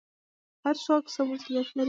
هر څوک څه مسوولیت لري؟